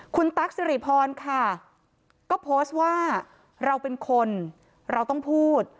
คุณตั๊กสิริพรค่ะก็โพสต์ว่าเราเป็นคนเราต้องพูด